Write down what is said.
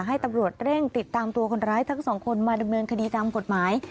ให้ตำรวจเร่งติดตามตัวคนร้ายทั้งสองคนมาดำเนินคดีตามกฎหมาย